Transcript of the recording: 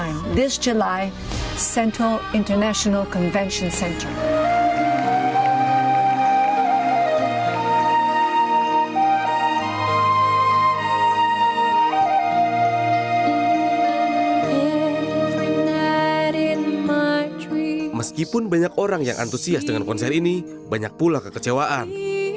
meskipun banyak orang yang antusias dengan konser ini banyak pula kekecewaan